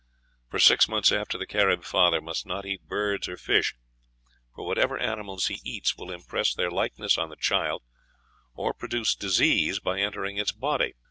"For six months the Carib father must not eat birds or fish, for what ever animals he eats will impress their likeness on the child, or produce disease by entering its body."